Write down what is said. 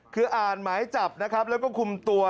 คืออ่านหรือไหมจับและคุมตัว